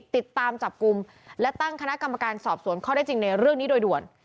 ติดตามจับกลุ่มและตั้งคณะกรรมการสอบสวนข้อได้จริงในเรื่องนี้โดยด่วน